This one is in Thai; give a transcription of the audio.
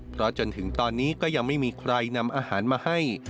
เพราะจนถึงตอนนี้ก็ยังไม่มีใครนำอาหารมาให้